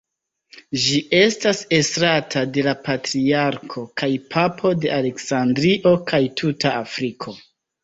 Ĝi estas estrata de la "Patriarko kaj Papo de Aleksandrio kaj tuta Afriko".